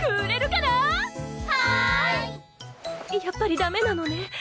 やっぱりだめなのね。